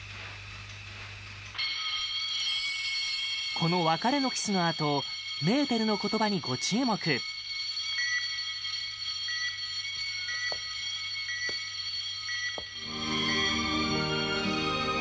この別れのキスのあとメーテルの言葉にご注目鉄郎：メーテル！